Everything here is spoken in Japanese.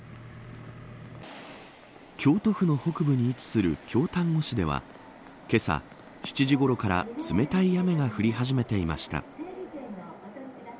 京都府の北部に位置する京丹後市ではけさ７時ごろから冷たい雨が降り始めていました。